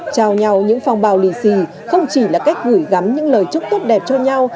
trao nhau những phong bào lì xì không chỉ là cách gửi gắm những lời chúc tốt đẹp cho nhau